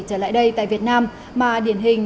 trở lại đây tại việt nam mà điển hình